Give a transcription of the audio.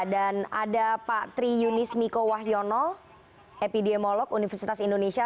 dan ada pak triyunis miko wahyono epidemolog universitas indonesia